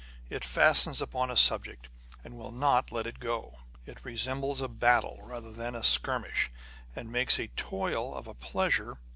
It fastens upon a subject, and will not let it go. It resembles a battle rather than a skirmish, and makes a toil of a pleasure.